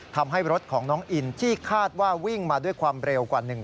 ทำให้รถของน้องอินที่คาดว่าวิ่งมาด้วยความเร็วกว่า